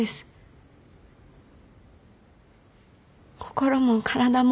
心も体も。